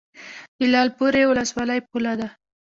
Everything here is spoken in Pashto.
د لعل پورې ولسوالۍ پوله ده